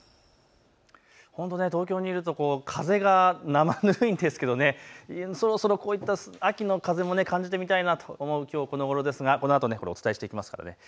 東京にいると風がなまぬるいんですけどそろそろこういった秋の風も感じてみたいなと思うきょうこのごろですが、このあとお伝えしていきます。